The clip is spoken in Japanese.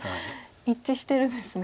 一致してるんですね。